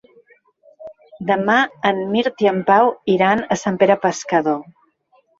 Demà en Mirt i en Pau iran a Sant Pere Pescador.